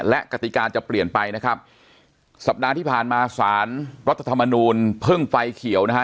และกติกาจะเปลี่ยนไปนะครับสัปดาห์ที่ผ่านมาสารรัฐธรรมนูลเพิ่งไฟเขียวนะฮะ